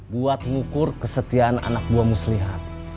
buat ngukur kesetiaan anak buah muslihat